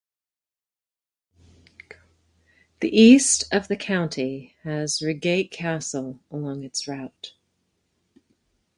The east of the county has Reigate Castle along its route.